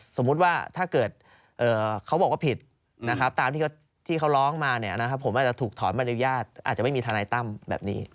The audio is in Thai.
สมมุติว่าถ้าเกิดเขาบอกว่าผิดนะครับตามที่เขาร้องมาผมอาจจะถูกถอนมารยาทอาจจะไม่มีทนายตั้มแบบนี้